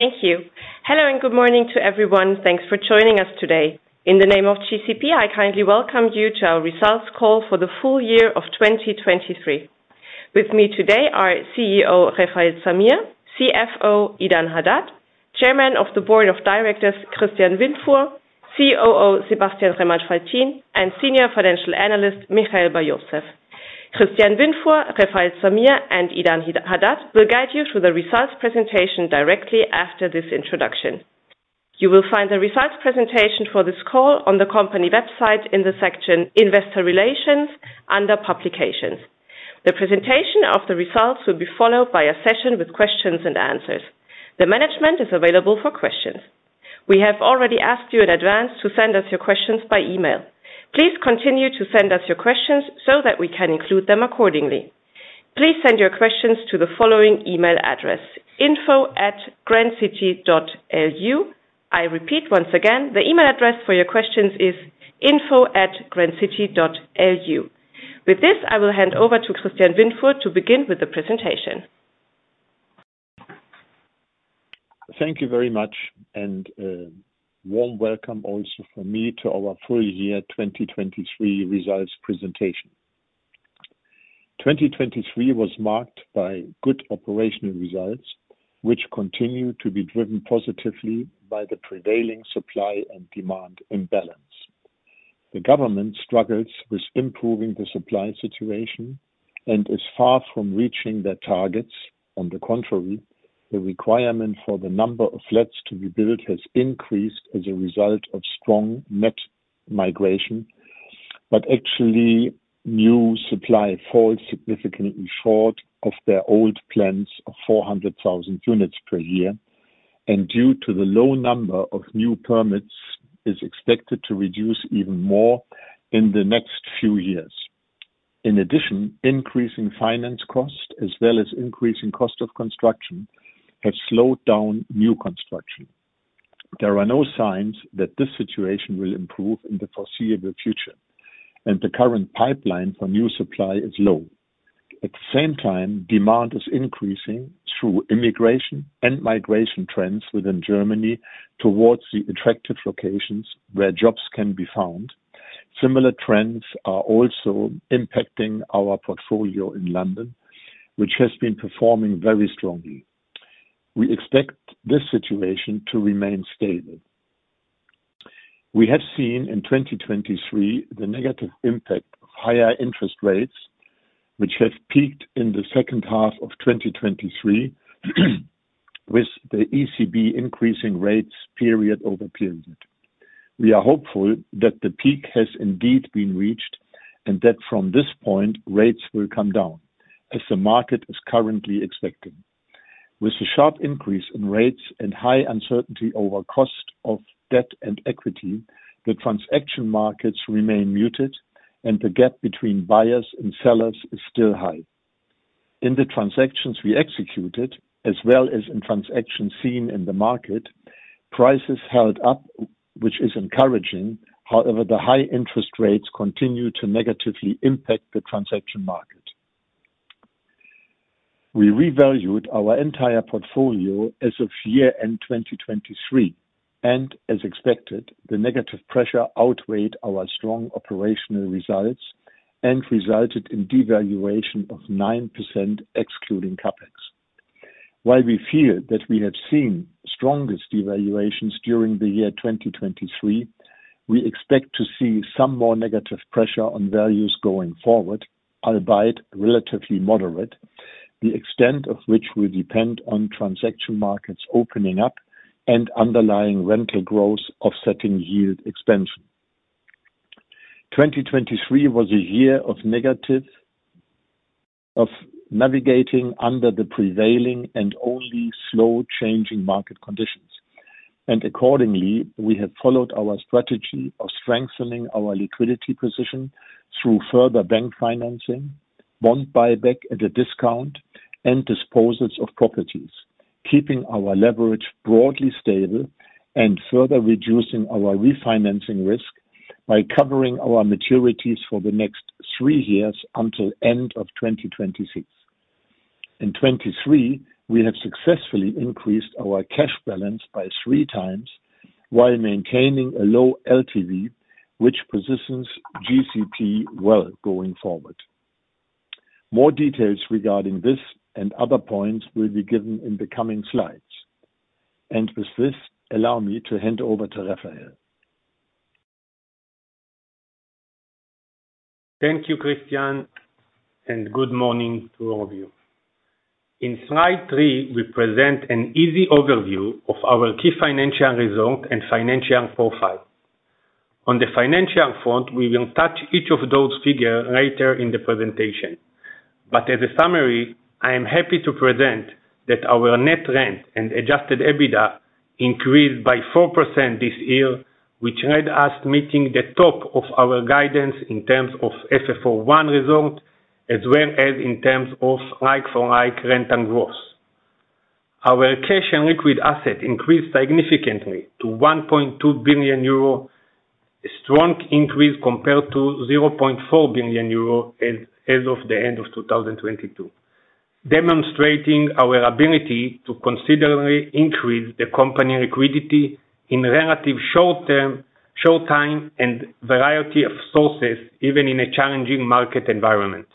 Thank you. Hello, good morning to everyone. Thanks for joining us today. In the name of GCP, I kindly welcome you to our results call for the full year of 2023. With me today are CEO Refael Zamir, CFO Idan Hadad, Chairman of the Board of Directors Christian Windfuhr, COO Sebastian Remmert-Faltin, and Senior Financial Analyst Michael Bar-Yosef. Christian Windfuhr, Refael Zamir and Idan Hadad will guide you through the results presentation directly after this introduction. You will find the results presentation for this call on the company website in the section Investor Relations, under Publications. The presentation of the results will be followed by a session with questions and answers. The management is available for questions. We have already asked you in advance to send us your questions by email. Please continue to send us your questions so that we can include them accordingly. Please send your questions to the following email address, info@grandcity.lu. I repeat, once again, the email address for your questions is info@grandcity.lu. With this, I will hand over to Christian Windfuhr to begin with the presentation. Thank you very much, warm welcome also from me to our full year 2023 results presentation. 2023 was marked by good operational results, which continue to be driven positively by the prevailing supply and demand imbalance. The government struggles with improving the supply situation and is far from reaching their targets. On the contrary, the requirement for the number of flats to be built has increased as a result of strong net migration. Actually, new supply falls significantly short of their old plans of 400,000 units per year. Due to the low number of new permits, is expected to reduce even more in the next few years. In addition, increasing finance cost, as well as increasing cost of construction, have slowed down new construction. There are no signs that this situation will improve in the foreseeable future, and the current pipeline for new supply is low. At the same time, demand is increasing through immigration and migration trends within Germany towards the attractive locations where jobs can be found. Similar trends are also impacting our portfolio in London, which has been performing very strongly. We expect this situation to remain stable. We have seen in 2023 the negative impact of higher interest rates, which have peaked in the second half of 2023 with the ECB increasing rates period over period. We are hopeful that the peak has indeed been reached, and that from this point, rates will come down as the market is currently expecting. With the sharp increase in rates and high uncertainty over cost of debt and equity, the transaction markets remain muted and the gap between buyers and sellers is still high. In the transactions we executed, as well as in transactions seen in the market, prices held up, which is encouraging. However, the high interest rates continue to negatively impact the transaction market. We revalued our entire portfolio as of year-end 2023. As expected, the negative pressure outweighed our strong operational results and resulted in devaluation of 9%, excluding CapEx. While we feel that we have seen strongest devaluations during the year 2023, we expect to see some more negative pressure on values going forward, albeit relatively moderate, the extent of which will depend on transaction markets opening up and underlying rental growth offsetting yield expansion. 2023 was a year of navigating under the prevailing and only slow changing market conditions. Accordingly, we have followed our strategy of strengthening our liquidity position through further bank financing, bond buyback at a discount, and disposals of properties. Keeping our leverage broadly stable and further reducing our refinancing risk by covering our maturities for the next three years, until end of 2026. In 2023, we have successfully increased our cash balance by three times while maintaining a low LTV, which positions GCP well going forward. More details regarding this and other points will be given in the coming slides. With this, allow me to hand over to Refael. Thank you, Christian, and good morning to all of you. In slide three, we present an easy overview of our key financial results and financial profile. On the financial front, we will touch each of those figures later in the presentation. As a summary, I am happy to present that our net rent and adjusted EBITDA increased by 4% this year, which had us meeting the top of our guidance in terms of FFO1 result, as well as in terms of like-for-like rent and growth. Our cash and liquid asset increased significantly to 1.2 billion euro. A strong increase compared to 0.4 billion euro as of the end of 2022, demonstrating our ability to considerably increase the company liquidity in relative short time and variety of sources, even in a challenging market environment.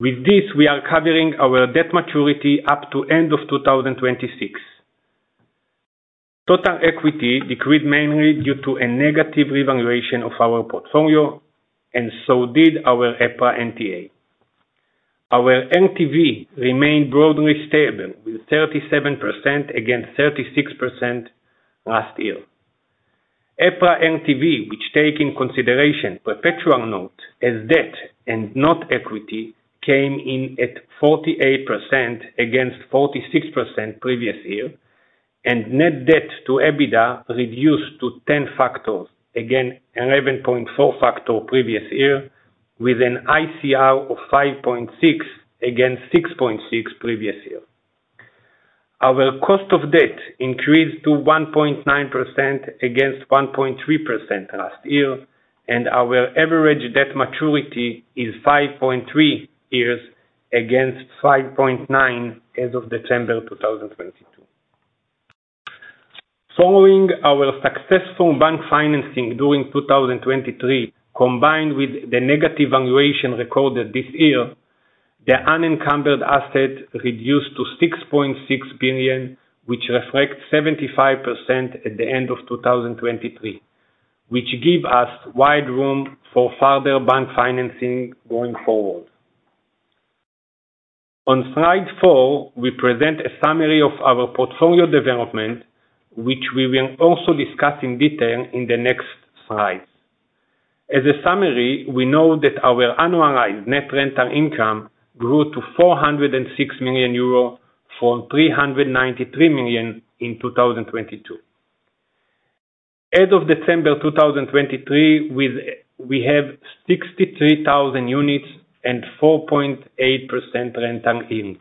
With this, we are covering our debt maturity up to end of 2026. Total equity decreased mainly due to a negative revaluation of our portfolio, and so did our EPRA NTA. Our LTV remained broadly stable with 37% against 36% last year. EPRA LTV, which take in consideration perpetual note as debt and not equity, came in at 48% against 46% previous year, and net debt to EBITDA reduced to 10 factors, again, 11.4 factor previous year with an ICR of 5.6 against 6.6 previous year. Our cost of debt increased to 1.9% against 1.3% last year, and our average debt maturity is 5.3 years against 5.9 as of December 2022. Following our successful bank financing during 2023, combined with the negative valuation recorded this year, the unencumbered asset reduced to 6.6 billion, which reflects 75% at the end of 2023, which give us wide room for further bank financing going forward. On slide four, we present a summary of our portfolio development, which we will also discuss in detail in the next slides. As a summary, we know that our annualized net rental income grew to 406 million euro from 393 million in 2022. As of December 2023, we have 63,000 units and 4.8% rental yield.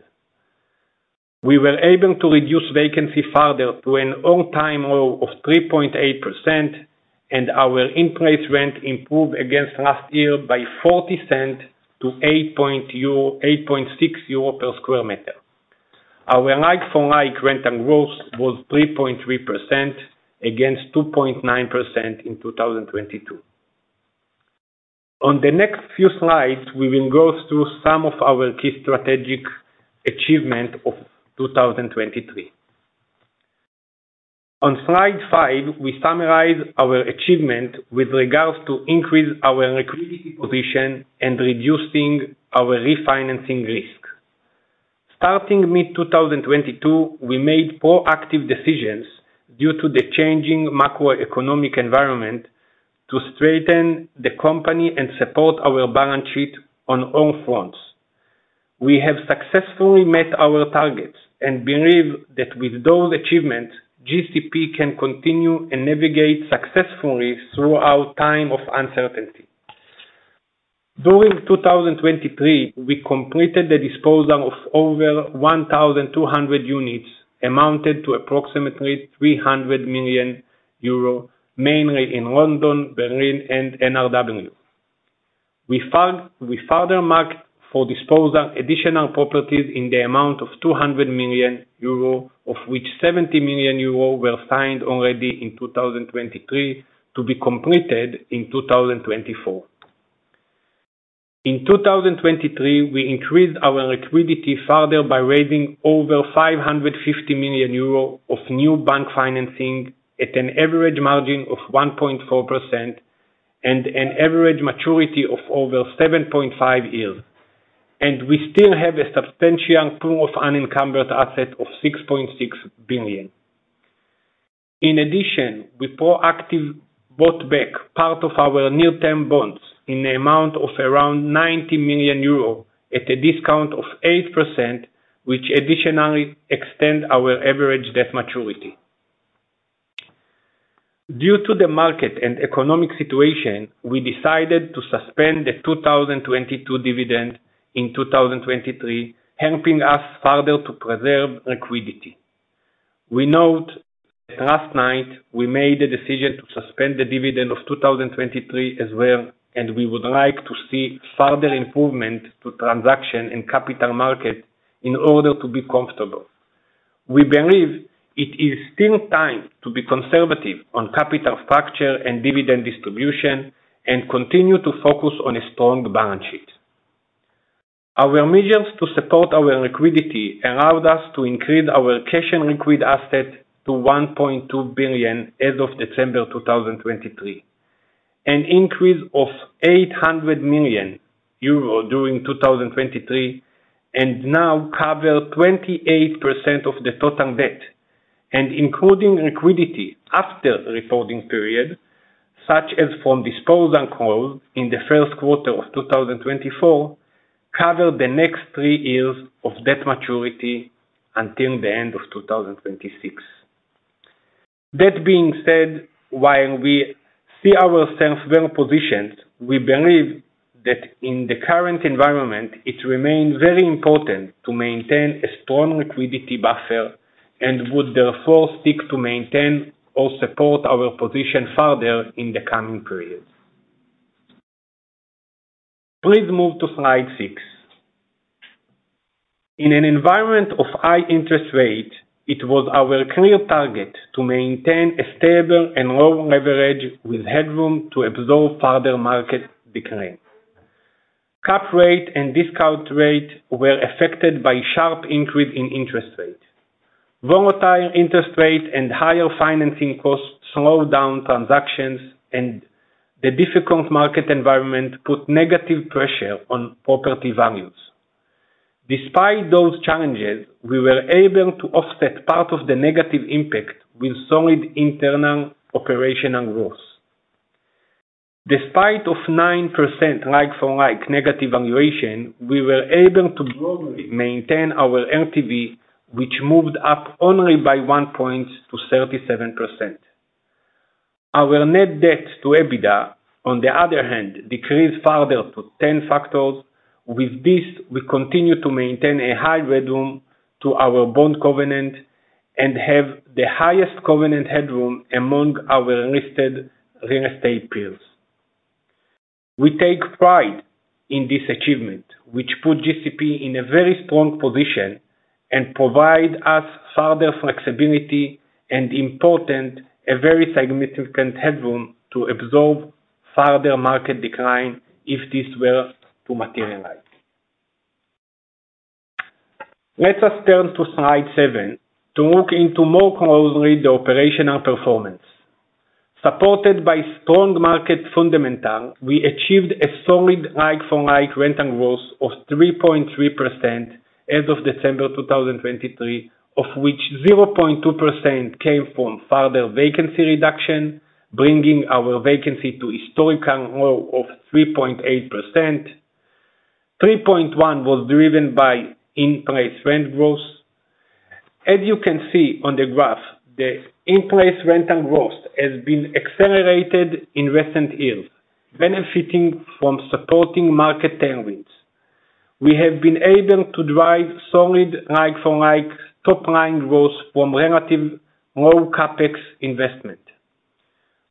We were able to reduce vacancy further to an all-time low of 3.8%, and our in-place rent improved against last year by 0.40-8.6 euro per square meter. Our like-for-like rental growth was 3.3% against 2.9% in 2022. On the next few slides, we will go through some of our key strategic achievement of 2023. On slide five, we summarize our achievement with regards to increase our liquidity position and reducing our refinancing risk. Starting mid-2022, we made proactive decisions due to the changing macroeconomic environment to strengthen the company and support our balance sheet on all fronts. We have successfully met our targets and believe that with those achievements, GCP can continue and navigate successfully throughout time of uncertainty. During 2023, we completed the disposal of over 1,200 units, amounted to approximately 300 million euro, mainly in London, Berlin, and NRW. We further marked for disposal additional properties in the amount of 200 million euro, of which 70 million euro were signed already in 2023 to be completed in 2024. In 2023, we increased our liquidity further by raising over 550 million euro of new bank financing at an average margin of 1.4% and an average maturity of over 7.5 years. We still have a substantial pool of unencumbered asset of 6.6 billion. In addition, we proactive bought back part of our near-term bonds in the amount of around 90 million euro at a discount of 8%, which additionally extend our average debt maturity. Due to the market and economic situation, we decided to suspend the 2022 dividend in 2023, helping us further to preserve liquidity. We note that last night we made a decision to suspend the dividend of 2023 as well. We would like to see further improvement to transaction and capital market in order to be comfortable. We believe it is still time to be conservative on capital structure and dividend distribution. Continue to focus on a strong balance sheet. Our measures to support our liquidity allowed us to increase our cash and liquid asset to 1.2 billion as of December 2023. An increase of 800 million euro during 2023 and now cover 28% of the total debt. Including liquidity after reporting period, such as from disposal calls in the first quarter of 2024, cover the next three years of debt maturity until the end of 2026. That being said, while we see ourselves well-positioned, we believe that in the current environment, it remains very important to maintain a strong liquidity buffer. Would therefore seek to maintain or support our position further in the coming periods. Please move to slide six. In an environment of high interest rate, it was our clear target to maintain a stable and low leverage with headroom to absorb further market decline. Cap rate and discount rate were affected by sharp increase in interest rate. Volatile interest rate and higher financing costs slowed down transactions. The difficult market environment put negative pressure on property values. Despite those challenges, we were able to offset part of the negative impact with solid internal operational growth. Despite 9% like-for-like negative valuation, we were able to broadly maintain our LTV, which moved up only by one point to 37%. Our net debt to EBITDA, on the other hand, decreased further to 10 factors. With this, we continue to maintain a high headroom to our bond covenant and have the highest covenant headroom among our listed real estate peers. We take pride in this achievement, which put GCP in a very strong position and provide us further flexibility and important, a very significant headroom to absorb further market decline if this were to materialize. Let us turn to slide seven to look into more closely the operational performance. Supported by strong market fundamentals, we achieved a solid like-for-like rental growth of 3.3% as of December 2023, of which 0.2% came from further vacancy reduction, bringing our vacancy to historical low of 3.8%. 3.1% was driven by in-place rent growth. As you can see on the graph, the in-place rental growth has been accelerated in recent years, benefiting from supporting market tailwinds. We have been able to drive solid like-for-like top-line growth from relative low CapEx investment.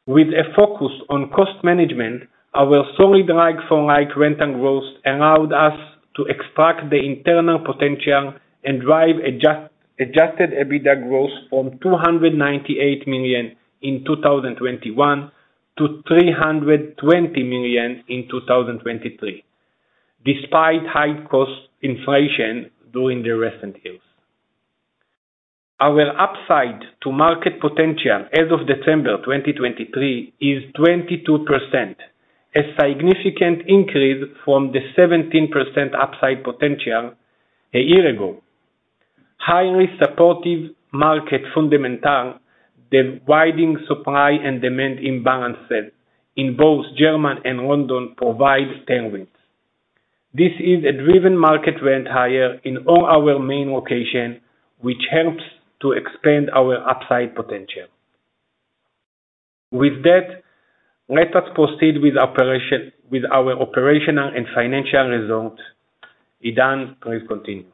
With a focus on cost management, our solid like-for-like rental growth allowed us to extract the internal potential and drive adjusted EBITDA growth from 298 million in 2021 to 320 million in 2023, despite high-cost inflation during the recent years. Our upside to market potential as of December 2023 is 22%, a significant increase from the 17% upside potential a year ago. Highly supportive market fundamentals, the widening supply and demand imbalances in both German and London provide tailwinds. This is a driven market rent higher in all our main location, which helps to expand our upside potential. With that, let us proceed with our operational and financial results. Idan, please continue.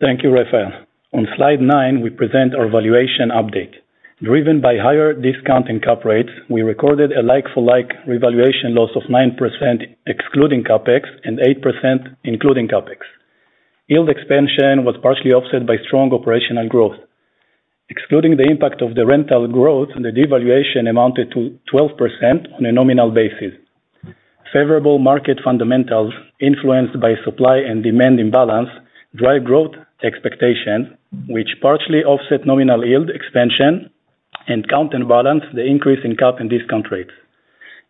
Thank you, Refael. On slide nine, we present our valuation update. Driven by higher discount and cap rates, we recorded a like-for-like revaluation loss of 9%, excluding CapEx, and 8%, including CapEx. Yield expansion was partially offset by strong operational growth. Excluding the impact of the rental growth, the devaluation amounted to 12% on a nominal basis. Favorable market fundamentals influenced by supply and demand imbalance drive growth expectations, which partially offset nominal yield expansion and counterbalance the increase in cap and discount rates.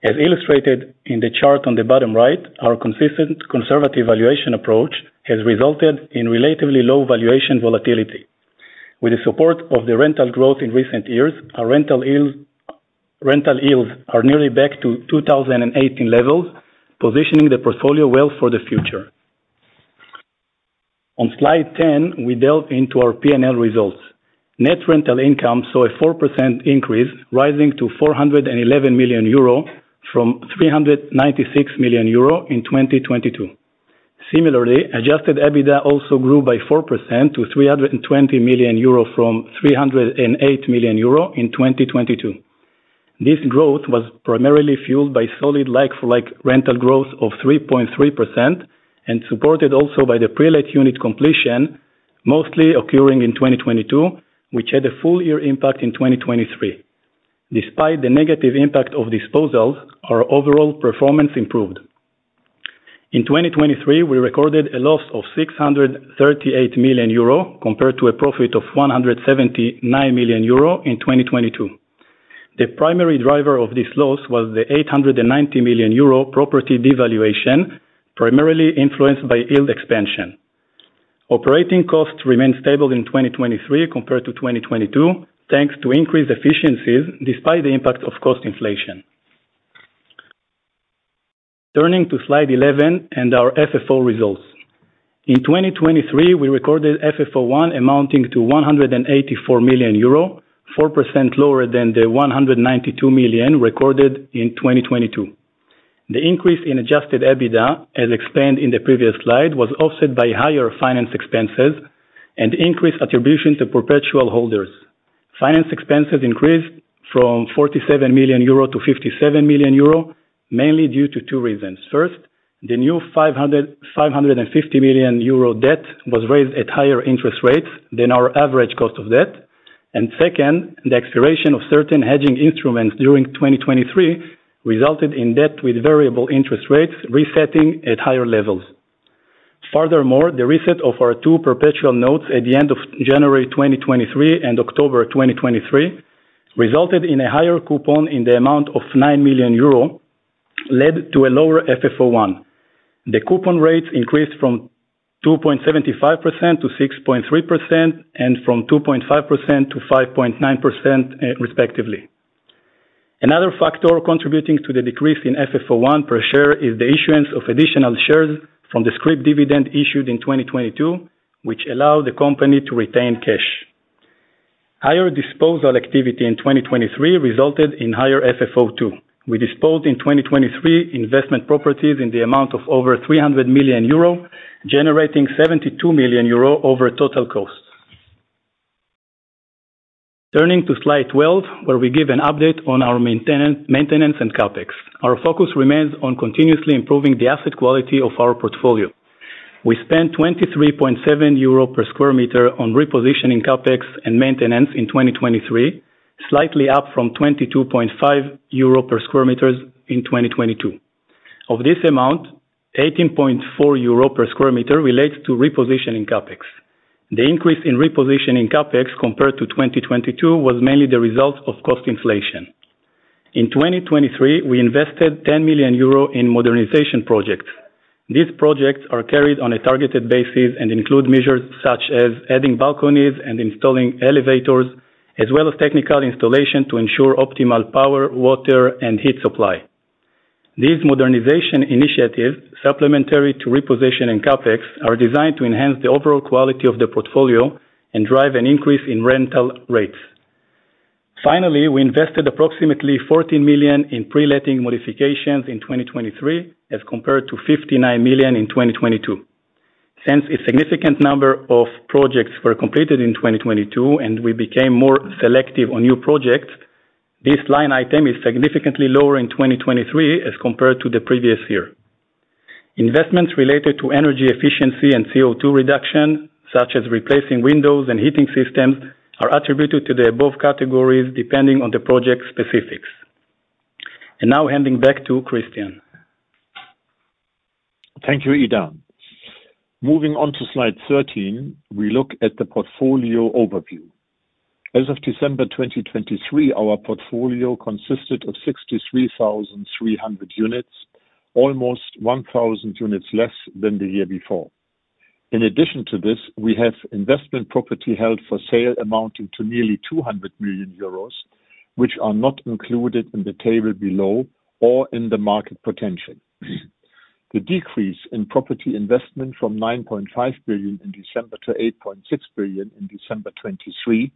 As illustrated in the chart on the bottom right, our consistent conservative valuation approach has resulted in relatively low valuation volatility. With the support of the rental growth in recent years, our rental yields are nearly back to 2018 levels, positioning the portfolio well for the future. On slide 10, we delve into our P&L results. Net rental income saw a 4% increase, rising to 411 million euro from 396 million euro in 2022. Similarly, adjusted EBITDA also grew by 4% to 320 million euro from 308 million euro in 2022. This growth was primarily fueled by solid like-for-like rental growth of 3.3% and supported also by the prelet unit completion, mostly occurring in 2022, which had a full-year impact in 2023. Despite the negative impact of disposals, our overall performance improved. In 2023, we recorded a loss of 638 million euro compared to a profit of 179 million euro in 2022. The primary driver of this loss was the 890 million euro property devaluation, primarily influenced by yield expansion. Operating costs remained stable in 2023 compared to 2022, thanks to increased efficiencies despite the impact of cost inflation. Turning to slide 11 and our FFO results. In 2023, we recorded FFO1 amounting to 184 million euro, 4% lower than the 192 million recorded in 2022. The increase in adjusted EBITDA, as explained in the previous slide, was offset by higher finance expenses and increased attribution to perpetual holders. Finance expenses increased from 47 million-57 million euro, mainly due to two reasons. First, the new 550 million euro debt was raised at higher interest rates than our average cost of debt. Second, the expiration of certain hedging instruments during 2023 resulted in debt with variable interest rates resetting at higher levels. Furthermore, the reset of our two perpetual notes at the end of January 2023 and October 2023 resulted in a higher coupon in the amount of 9 million euro, led to a lower FFO1. The coupon rates increased from 2.75% t-6.3% and from 2.5%-5.9% respectively. Another factor contributing to the decrease in FFO1 per share is the issuance of additional shares from the scrip dividend issued in 2022, which allowed the company to retain cash. Higher disposal activity in 2023 resulted in higher FFO2. We disposed in 2023 investment properties in the amount of over 300 million euro, generating 72 million euro over total costs. Turning to slide 12, where we give an update on our maintenance and CapEx. Our focus remains on continuously improving the asset quality of our portfolio. We spent 23.7 euro per square meter on repositioning CapEx and maintenance in 2023, slightly up from 22.5 euro per square meter in 2022. Of this amount, 18.4 euro per square meter relates to repositioning CapEx. The increase in repositioning CapEx compared to 2022 was mainly the result of cost inflation. In 2023, we invested 10 million euro in modernization projects. These projects are carried on a targeted basis and include measures such as adding balconies and installing elevators, as well as technical installation to ensure optimal power, water, and heat supply. These modernization initiatives, supplementary to repositioning CapEx, are designed to enhance the overall quality of the portfolio and drive an increase in rental rates. Finally, we invested approximately 14 million in pre-letting modifications in 2023 as compared to 59 million in 2022. Since a significant number of projects were completed in 2022 and we became more selective on new projects, this line item is significantly lower in 2023 as compared to the previous year. Investments related to energy efficiency and CO2 reduction, such as replacing windows and heating systems, are attributed to the above categories depending on the project specifics. Now handing back to Christian. Thank you, Idan. Moving on to slide 13, we look at the portfolio overview. As of December 2023, our portfolio consisted of 63,300 units, almost 1,000 units less than the year before. In addition to this, we have investment property held for sale amounting to nearly 200 million euros, which are not included in the table below or in the market potential. The decrease in property investment from 9.5 billion in December to 8.6 billion in December 2023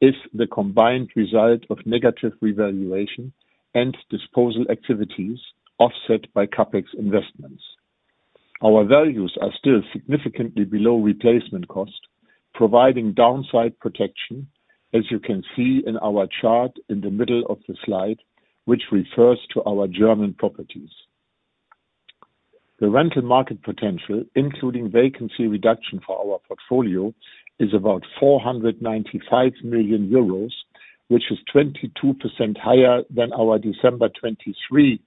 is the combined result of negative revaluation and disposal activities offset by CapEx investments. Our values are still significantly below replacement cost, providing downside protection, as you can see in our chart in the middle of the slide, which refers to our German properties. The rental market potential, including vacancy reduction for our portfolio, is about 995 million euros, which is 22% higher than our December 2023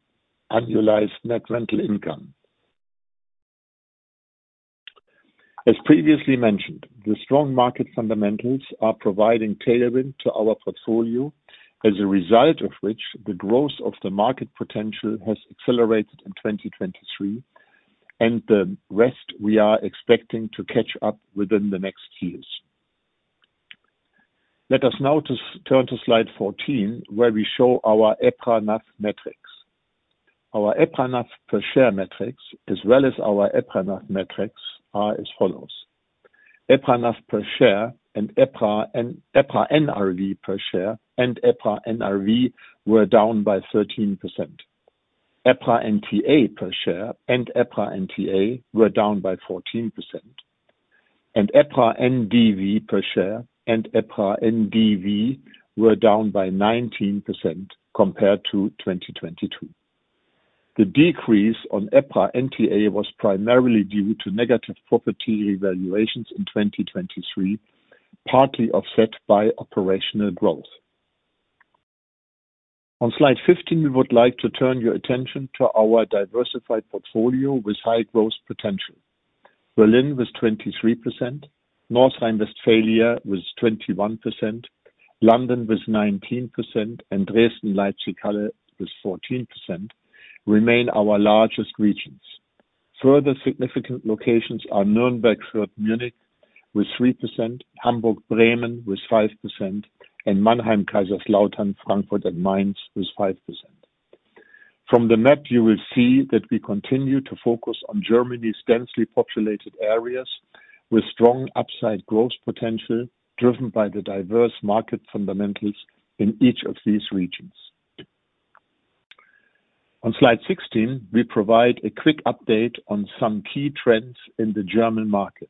annualized net rental income. As previously mentioned, the strong market fundamentals are providing tailwind to our portfolio, as a result of which, the growth of the market potential has accelerated in 2023, the rest we are expecting to catch up within the next years. Let us now turn to slide 14, where we show our EPRA NAV metrics. Our EPRA NAV per share metrics as well as our EPRA NAV metrics are as follows. EPRA NAV per share and EPRA NRV were down by 13%. EPRA NTA per share and EPRA NTA were down by 14%. EPRA NDV per share and EPRA NDV were down by 19% compared to 2022. The decrease on EPRA NTA was primarily due to negative property evaluations in 2023, partly offset by operational growth. On slide 15, we would like to turn your attention to our diversified portfolio with high growth potential. Berlin was 23%, North Rhine-Westphalia was 21%, London was 19%, Dresden/Leipzig/Halle was 14%, remain our largest regions. Further significant locations are Nuremberg/Fürth/Munich with 3%, Hamburg/Bremen with 5%, Mannheim/Kaiserslautern/Frankfurt and Mainz with 5%. From the map, you will see that we continue to focus on Germany's densely populated areas with strong upside growth potential, driven by the diverse market fundamentals in each of these regions. On slide 16, we provide a quick update on some key trends in the German market.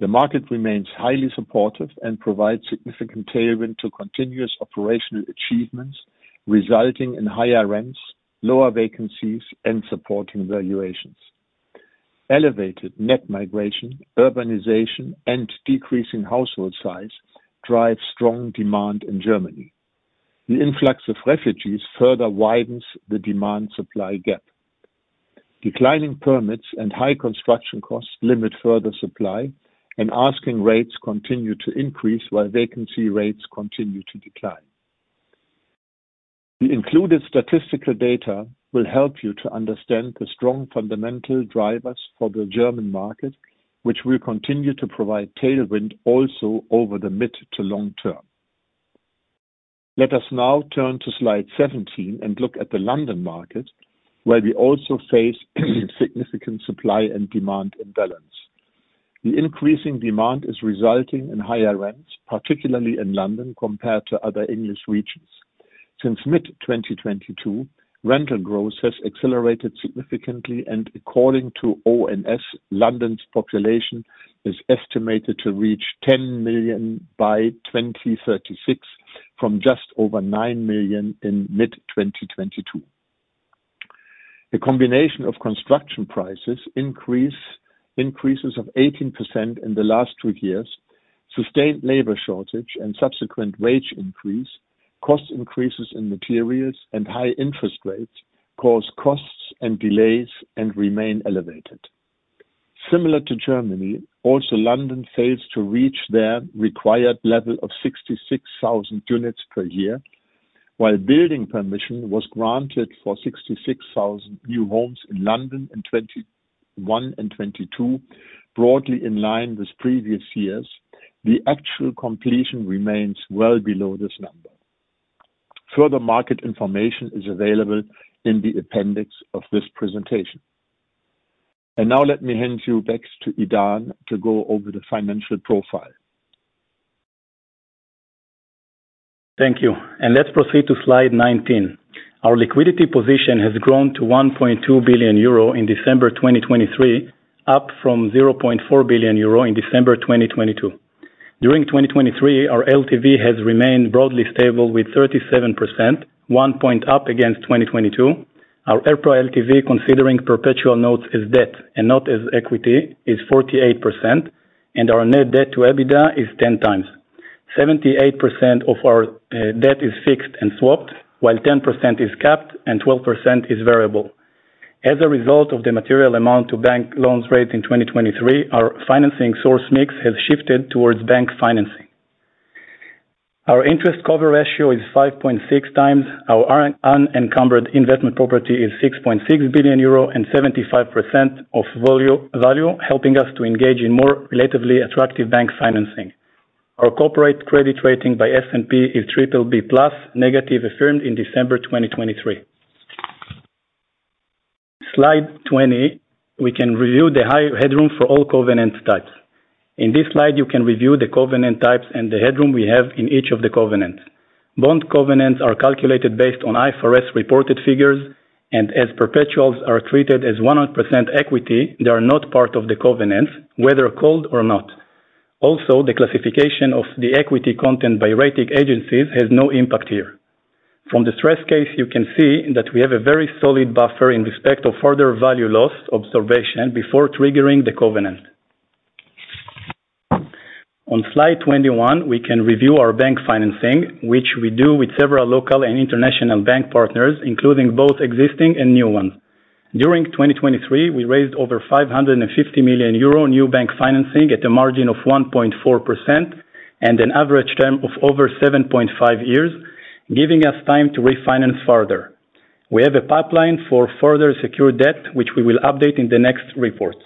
The market remains highly supportive and provides significant tailwind to continuous operational achievements, resulting in higher rents, lower vacancies, and supporting valuations. Elevated net migration, urbanization, and decrease in household size drive strong demand in Germany. The influx of refugees further widens the demand-supply gap. Declining permits and high construction costs limit further supply, asking rates continue to increase while vacancy rates continue to decline. The included statistical data will help you to understand the strong fundamental drivers for the German market, which will continue to provide tailwind also over the mid to long term. Let us now turn to slide 17 and look at the London market, where we also face significant supply and demand imbalance. The increasing demand is resulting in higher rents, particularly in London, compared to other English regions. Since mid-2022, rental growth has accelerated significantly, according to ONS, London's population is estimated to reach 10 million by 2036 from just over nine million in mid-2022. The combination of construction prices increases of 18% in the last two years, sustained labor shortage and subsequent wage increase, cost increases in materials, high interest rates cause costs and delays and remain elevated. Similar to Germany, also London fails to reach their required level of 66,000 units per year. While building permission was granted for 66,000 new homes in London in 2021 and 2022, broadly in line with previous years, the actual completion remains well below this number. Further market information is available in the appendix of this presentation. Now let me hand you back to Idan to go over the financial profile. Thank you. Let's proceed to slide 19. Our liquidity position has grown to 1.2 billion euro in December 2023, up from 0.4 billion euro in December 2022. During 2023, our LTV has remained broadly stable with 37%, one point up against 2022. Our EPRA LTV, considering perpetual notes as debt and not as equity, is 48%, and our net debt to EBITDA is 10x. 78% of our debt is fixed and swapped while 10% is capped and 12% is variable. As a result of the material amount to bank loans rate in 2023, our financing source mix has shifted towards bank financing. Our interest cover ratio is 5.6x. Our unencumbered investment property is 6.6 billion euro and 75% of value, helping us to engage in more relatively attractive bank financing. Our corporate credit rating by S&P is BBB+, negative affirmed in December 2023. Slide 20, we can review the high headroom for all covenant types. In this slide, you can review the covenant types and the headroom we have in each of the covenants. Bond covenants are calculated based on IFRS reported figures. As perpetuals are treated as 100% equity, they are not part of the covenants, whether called or not. Also, the classification of the equity content by rating agencies has no impact here. From the stress case, you can see that we have a very solid buffer in respect of further value loss observation before triggering the covenant. On slide 21, we can review our bank financing, which we do with several local and international bank partners, including both existing and new ones. During 2023, we raised over 550 million euro new bank financing at a margin of 1.4% and an average term of over 7.5 years, giving us time to refinance further. We have a pipeline for further secure debt, which we will update in the next reports.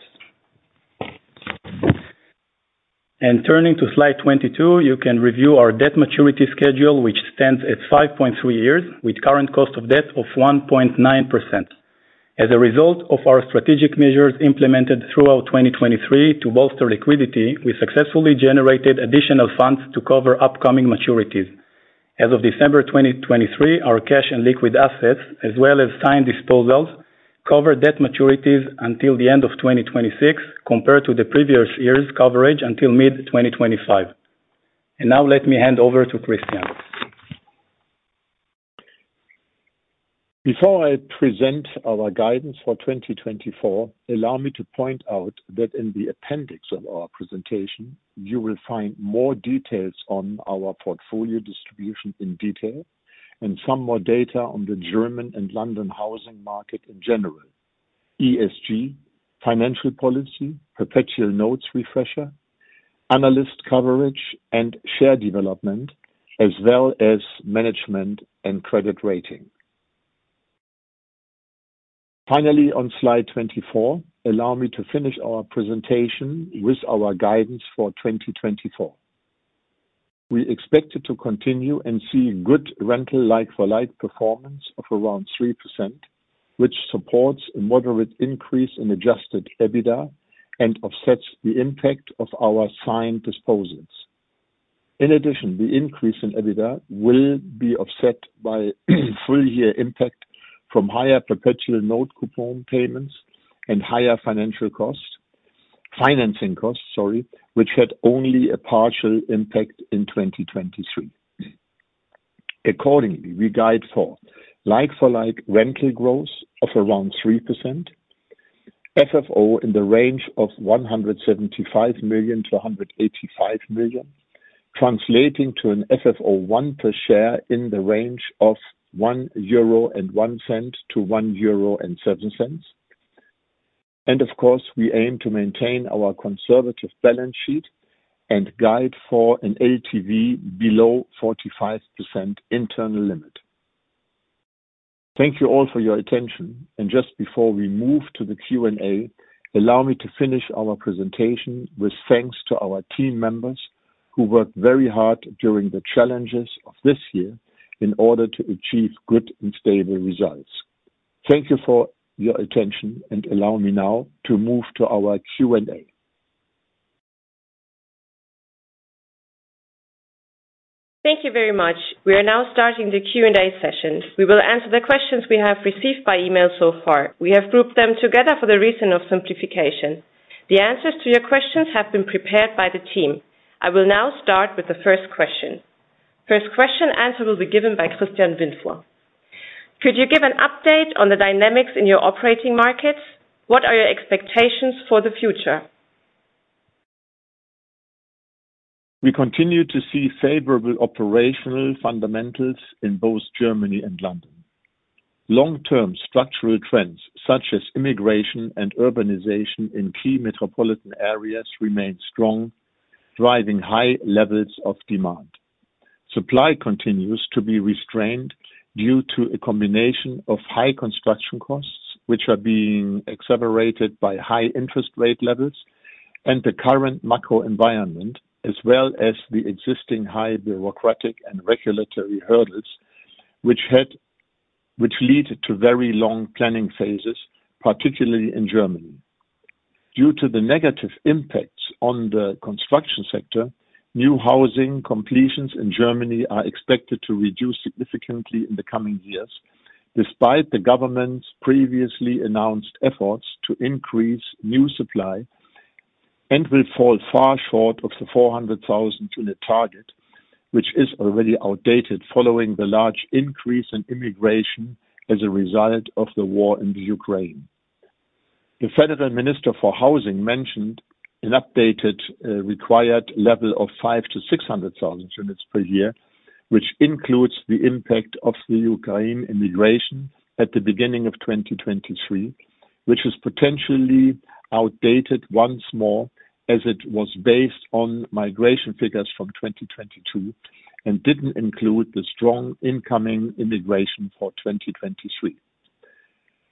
Turning to slide 22, you can review our debt maturity schedule, which stands at 5.3 years with current cost of debt of 1.9%. As a result of our strategic measures implemented throughout 2023 to bolster liquidity, we successfully generated additional funds to cover upcoming maturities. As of December 2023, our cash and liquid assets, as well as signed disposals, cover debt maturities until the end of 2026, compared to the previous year's coverage until mid-2025. Now let me hand over to Christian. Before I present our guidance for 2024, allow me to point out that in the appendix of our presentation, you will find more details on our portfolio distribution in detail and some more data on the German and London housing market in general. ESG, financial policy, perpetual notes refresher, analyst coverage, and share development, as well as management and credit rating. Finally, on slide 24, allow me to finish our presentation with our guidance for 2024. We expect it to continue and see good rental like-for-like performance of around 3%, which supports a moderate increase in adjusted EBITDA and offsets the impact of our signed disposals. In addition, the increase in EBITDA will be offset by full year impact from higher perpetual note coupon payments and higher financing costs, which had only a partial impact in 2023. Accordingly, we guide for like-for-like rental growth of around 3%, FFO in the range of 175 million-185 million, translating to an FFO1 per share in the range of 1.01-1.07 euro. Of course, we aim to maintain our conservative balance sheet and guide for an LTV below 45% internal limit. Thank you all for your attention. Just before we move to the Q&A, allow me to finish our presentation with thanks to our team members who worked very hard during the challenges of this year in order to achieve good and stable results. Thank you for your attention, allow me now to move to our Q&A. Thank you very much. We are now starting the Q&A session. We will answer the questions we have received by email so far. We have grouped them together for the reason of simplification. The answers to your questions have been prepared by the team. I will now start with the first question. First question answer will be given by Christian Windfuhr. Could you give an update on the dynamics in your operating markets? What are your expectations for the future? We continue to see favorable operational fundamentals in both Germany and London. Long-term structural trends such as immigration and urbanization in key metropolitan areas remain strong, driving high levels of demand. Supply continues to be restrained due to a combination of high construction costs, which are being exacerbated by high-interest rate levels and the current macro environment, as well as the existing high bureaucratic and regulatory hurdles, which lead to very long planning phases, particularly in Germany. Due to the negative impacts on the construction sector, new housing completions in Germany are expected to reduce significantly in the coming years, despite the government's previously announced efforts to increase new supply and will fall far short of the 400,000-unit target, which is already outdated following the large increase in immigration as a result of the war in the Ukraine. The Federal Minister for Housing mentioned an updated required level of 5- 600,000 units per year, which includes the impact of the Ukraine immigration at the beginning of 2023, which is potentially outdated once more as it was based on migration figures from 2022 and didn't include the strong incoming immigration for 2023.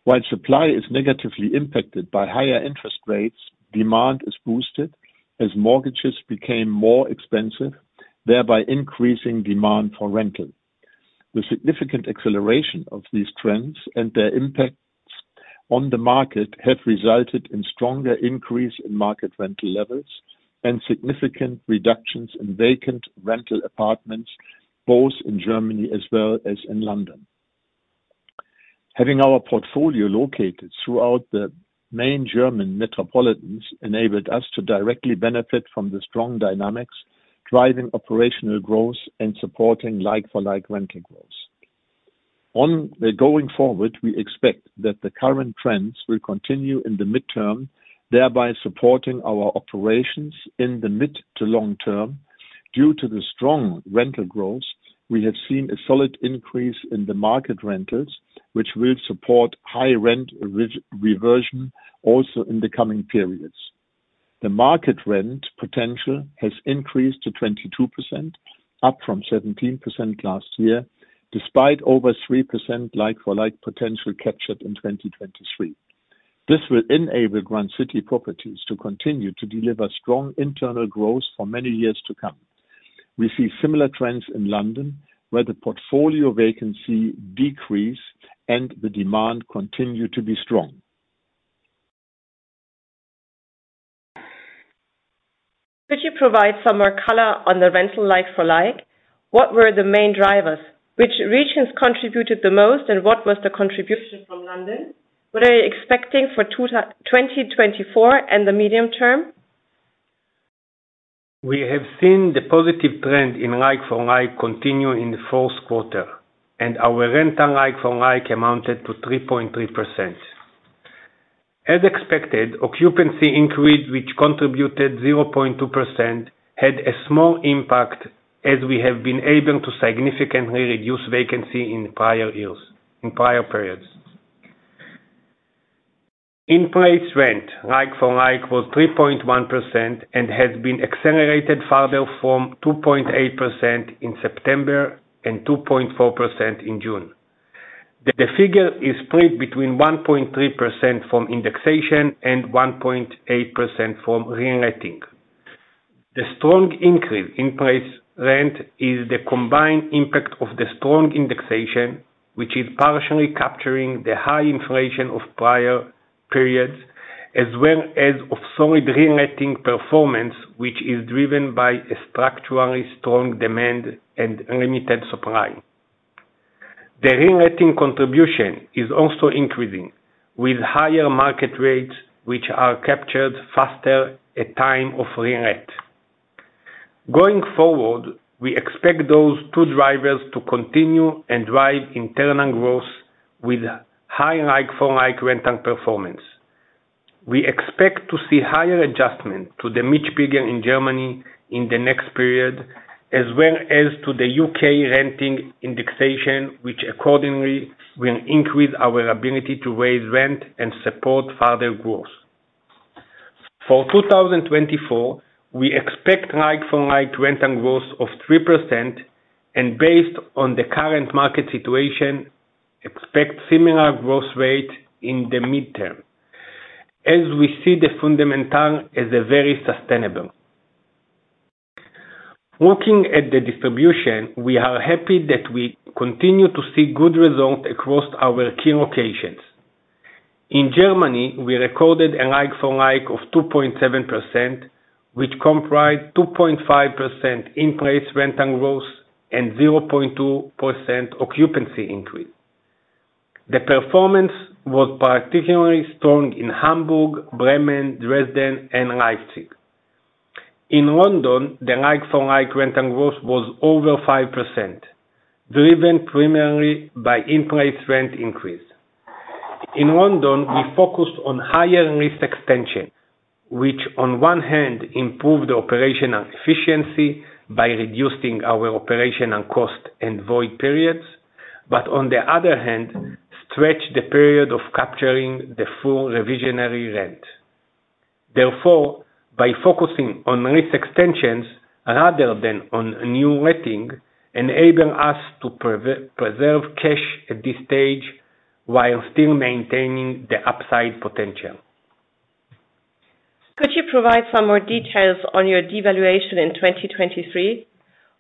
While supply is negatively impacted by higher interest rates, demand is boosted as mortgages became more expensive, thereby increasing demand for rental. The significant acceleration of these trends and their impacts on the market have resulted in stronger increase in market rental levels and significant reductions in vacant rental apartments, both in Germany as well as in London. Having our portfolio located throughout the main German metropolitans enabled us to directly benefit from the strong dynamics, driving operational growth and supporting like-for-like rental growth. On the going forward, we expect that the current trends will continue in the mid-term, thereby supporting our operations in the mid- to long-term. Due to the strong rental growth, we have seen a solid increase in the market rentals, which will support high rent reversion also in the coming periods. The market rent potential has increased to 22%, up from 17% last year, despite over 3% like-for-like potential captured in 2023. This will enable Grand City Properties to continue to deliver strong internal growth for many years to come. We see similar trends in London, where the portfolio vacancy decrease and the demand continue to be strong. Could you provide some more color on the rental like-for-like? What were the main drivers? Which regions contributed the most, and what was the contribution from London? What are you expecting for 2024 and the medium-term? We have seen the positive trend in like-for-like continue in the fourth quarter, and our rental like-for-like amounted to 3.3%. As expected, occupancy increased, which contributed 0.2%, had a small impact as we have been able to significantly reduce vacancy in prior periods. In place rent, like-for-like, was 3.1% and has been accelerated further from 2.8% in September and 2.4% in June. The figure is split between 1.3% from indexation and 1.8% from reletting. The strong increase in place rent is the combined impact of the strong indexation, which is partially capturing the high inflation of prior periods, as well as of solid reletting performance, which is driven by a structurally strong demand and limited supply. The reletting contribution is also increasing with higher market rates, which are captured faster at time of relet. Going forward, we expect those two drivers to continue and drive internal growth with high like-for-like rental performance. We expect to see higher adjustment to the Mietspiegel in Germany in the next period, as well as to the U.K. renting indexation, which accordingly will increase our ability to raise rent and support further growth. For 2024, we expect like-for-like rental growth of 3% and based on the current market situation, expect similar growth rate in the midterm. As we see the fundamental as very sustainable. Looking at the distribution, we are happy that we continue to see good results across our key locations. In Germany, we recorded a like-for-like of 2.7%, which comprised 2.5% in-place rental growth and 0.2% occupancy increase. The performance was particularly strong in Hamburg, Bremen, Dresden, and Leipzig. In London, the like-for-like rental growth was over 5%, driven primarily by in-place rent increase. In London, we focused on higher lease extension, which on one hand, improved operational efficiency by reducing our operational cost and void periods, but on the other hand, stretched the period of capturing the full revisionary rent. By focusing on lease extensions rather than on new letting, enable us to preserve cash at this stage while still maintaining the upside potential. Could you provide some more details on your devaluation in 2023?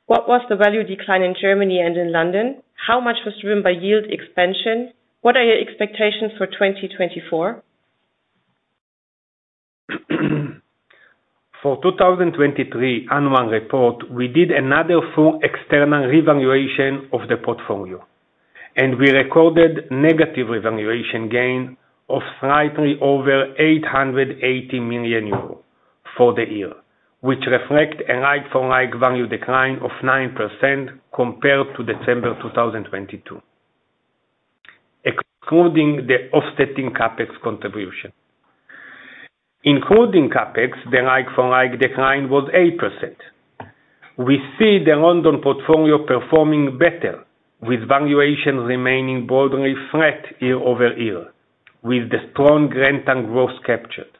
What was the value decline in Germany and in London? How much was driven by yield expansion? What are your expectations for 2024? For 2023 annual report, we did another full external revaluation of the portfolio. We recorded negative revaluation gain of slightly over 880 million euro for the year, which reflect a like-for-like value decline of 9% compared to December 2022, excluding the offsetting CapEx contribution. Including CapEx, the like-for-like decline was 8%. We see the London portfolio performing better, with valuations remaining broadly flat year-over-year, with the strong rental growth captured.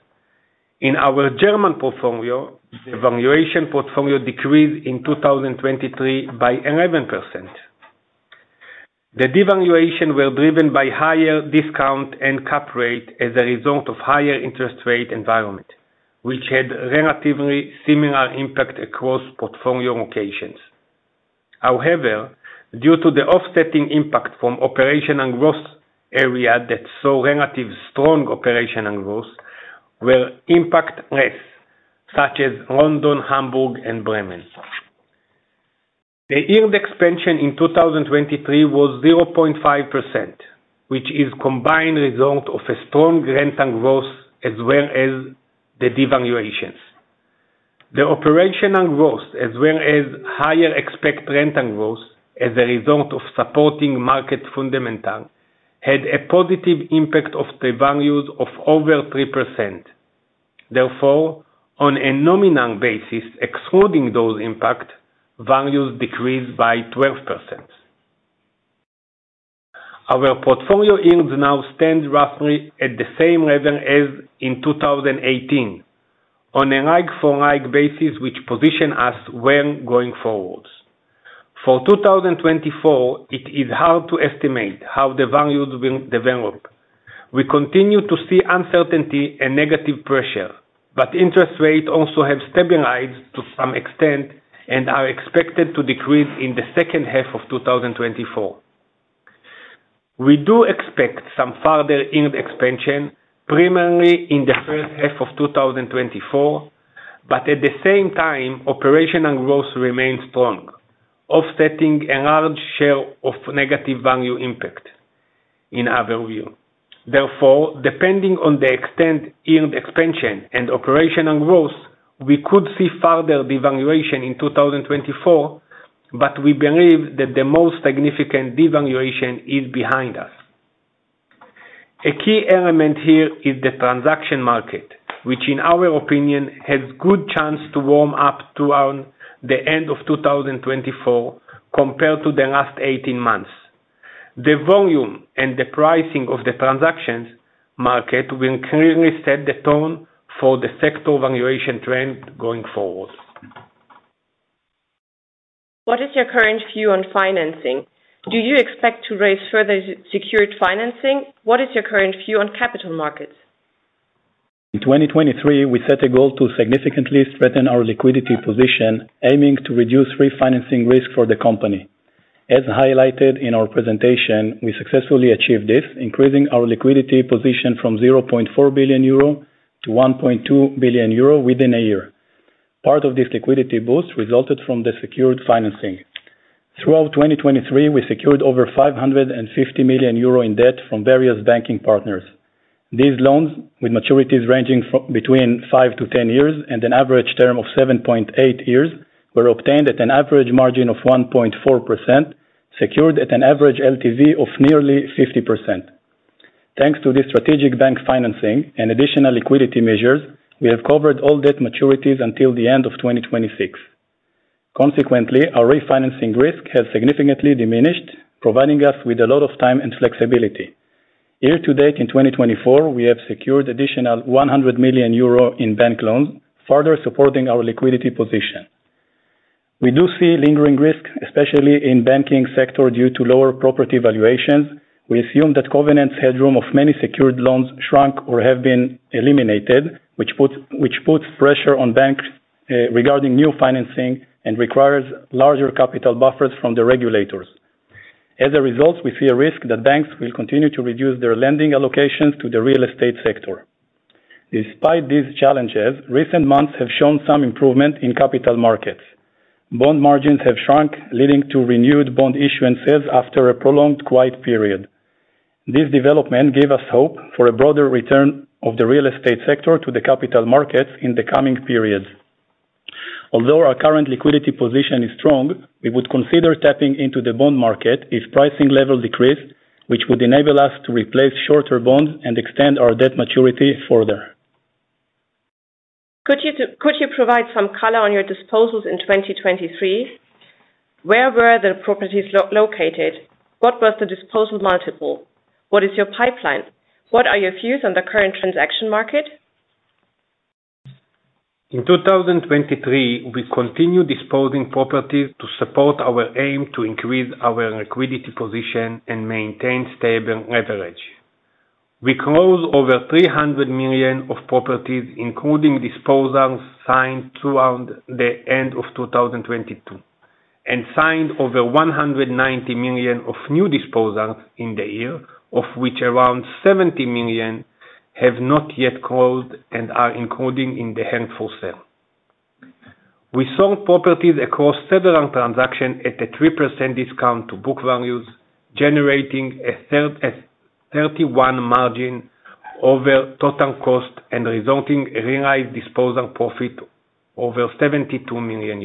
In our German portfolio, the valuation portfolio decreased in 2023 by 11%. The devaluation were driven by higher discount and cap rate as a result of higher interest rate environment, which had relatively similar impact across portfolio locations. However, due to the offsetting impact from operational growth area that saw relative strong operational growth were impact less, such as London, Hamburg, and Bremen. The yield expansion in 2023 was 0.5%, which is combined result of a strong rental growth as well as the devaluations. The operational growth, as well as higher expected rental growth as a result of supporting market fundamentals, had a positive impact of the values of over 3%. Therefore, on a nominal basis, excluding those impact, values decreased by 12%. Our portfolio yields now stand roughly at the same level as in 2018 on a like-for-like basis, which position us well going forwards. For 2024, it is hard to estimate how the values will develop. We continue to see uncertainty and negative pressure, but interest rates also have stabilized to some extent and are expected to decrease in the second half of 2024. We do expect some further yield expansion, primarily in the first half of 2024, but at the same time, operational growth remains strong, offsetting a large share of negative value impact in our view. Therefore, depending on the extent yield expansion and operational growth, we could see further devaluation in 2024, but we believe that the most significant devaluation is behind us. A key element here is the transaction market, which in our opinion, has good chance to warm up toward the end of 2024 compared to the last 18 months. The volume and the pricing of the transactions market will clearly set the tone for the sector valuation trend going forward. What is your current view on financing? Do you expect to raise further secured financing? What is your current view on capital markets? In 2023, we set a goal to significantly strengthen our liquidity position, aiming to reduce refinancing risk for the company. As highlighted in our presentation, we successfully achieved this, increasing our liquidity position from 0.4 billion-1.2 billion euro within a year. Part of this liquidity boost resulted from the secured financing. Throughout 2023, we secured over 550 million euro in debt from various banking partners. These loans, with maturities ranging between 5-10 years and an average term of 7.8 years, were obtained at an average margin of 1.4%, secured at an average LTV of nearly 50%. Thanks to this strategic bank financing and additional liquidity measures, we have covered all debt maturities until the end of 2026. Consequently, our refinancing risk has significantly diminished, providing us with a lot of time and flexibility. Year to date in 2024, we have secured additional 100 million euro in bank loans, further supporting our liquidity position. We do see lingering risks, especially in banking sector due to lower property valuations. We assume that covenants headroom of many secured loans shrunk or have been eliminated, which puts pressure on banks regarding new financing and requires larger capital buffers from the regulators. As a result, we see a risk that banks will continue to reduce their lending allocations to the real estate sector. Despite these challenges, recent months have shown some improvement in capital markets. Bond margins have shrunk, leading to renewed bond issuance sales after a prolonged quiet period. This development gave us hope for a broader return of the real estate sector to the capital markets in the coming periods. Although our current liquidity position is strong, we would consider tapping into the bond market if pricing level decrease, which would enable us to replace shorter bonds and extend our debt maturity further. Could you provide some color on your disposals in 2023? Where were the properties located? What was the disposal multiple? What is your pipeline? What are your views on the current transaction market? In 2023, we continued disposing properties to support our aim to increase our liquidity position and maintain stable leverage. We closed over 300 million of properties, including disposals signed throughout the end of 2022, and signed over 190 million of new disposals in the year, of which around 70 million have not yet closed and are including in the held for sale. We sold properties across several transactions at a 3% discount to book values, generating a 31% margin over total cost and resulting realized disposal profit over EUR 72 million.